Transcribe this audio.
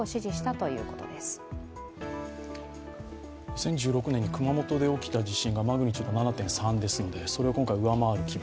２０１６年に熊本で起きた地震がマグニチュード７．３ですので、それを今回、上回る規模。